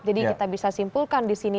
jadi kita bisa simpulkan disini